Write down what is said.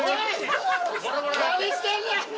何してんねん！